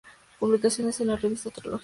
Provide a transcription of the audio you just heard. Publicados en la revista "Astrología", dir.